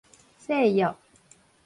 誓約